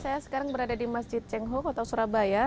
saya sekarang berada di masjid cengho kota surabaya